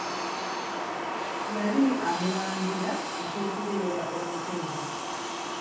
Yali amulangira eky'okubeera omukozi.